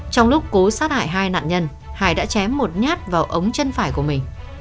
trong lúc cố sát hại hai nạn nhân hải đã chém một nhát vào ống chân phải của mình